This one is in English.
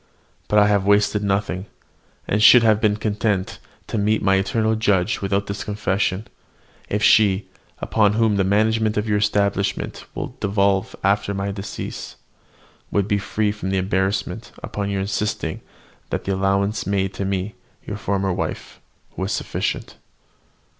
But I have wasted nothing, and should have been content to meet my eternal Judge without this confession, if she, upon whom the management of your establishment will devolve after my decease, would be free from embarrassment upon your insisting that the allowance made to me, your former wife, was sufficient."